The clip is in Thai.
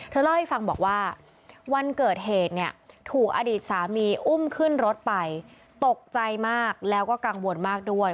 เล่าให้ฟังบอกว่าวันเกิดเหตุเนี่ยถูกอดีตสามีอุ้มขึ้นรถไปตกใจมากแล้วก็กังวลมากด้วย